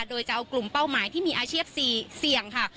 โดยจะเอากลุ่มเป้าหมายที่มีอาชีพเสี่ยงค่ะ